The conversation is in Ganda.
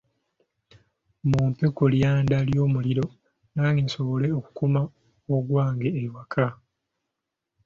Mumpe ku lyanda ly'omuliro nange nsobole okukuma ogwange ewaka.